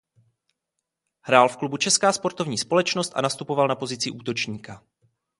Hrál v klubu Česká sportovní společnost a nastupoval na pozici útočníka.